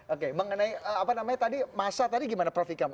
oke mengenai apa namanya tadi masa tadi gimana prof ikam